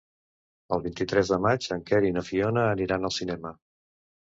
El vint-i-tres de maig en Quer i na Fiona aniran al cinema.